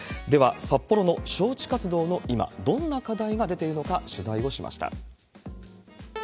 では、札幌の招致活動の今、どんな課題が出ているのか取材をしました。